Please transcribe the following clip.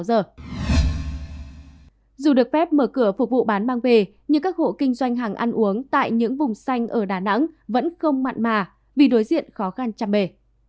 dù được phép mở cửa phục vụ bán mang về nhưng các hộ kinh doanh hàng ăn uống tại những vùng xanh ở đà nẵng vẫn không mặn mà vì đối diện khó khăn chăm bề